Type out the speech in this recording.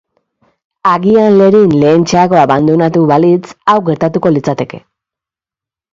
Agian Lerin lehentxeago abandonatu balitz hau gertatuko litzateke.